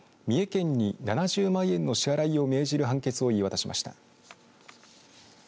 三重県に７０万円の支払いを命じる判決を言い渡しました。